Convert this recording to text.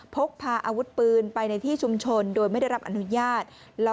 พกพาอาวุธปืนไปในที่ชุมชนโดยไม่ได้รับอนุญาต